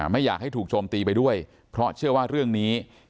ไม่อยากให้ถูกโจมตีไปด้วยเพราะเชื่อว่าเรื่องนี้